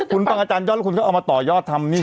คุณฟังอาจารยอดแล้วคุณก็เอามาต่อยอดทำนี่